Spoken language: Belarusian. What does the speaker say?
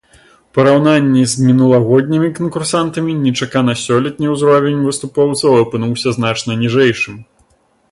У параўнанні з мінулагоднімі канкурсантамі, нечакана сёлетні ўзровень выступоўцаў апынуўся значна ніжэйшым.